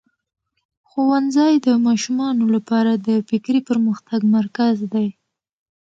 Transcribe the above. ښوونځی د ماشومانو لپاره د فکري پرمختګ مرکز دی.